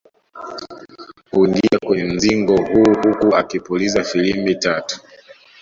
Huingia kwenye mzingo huo huku akipuliza filimbi tatu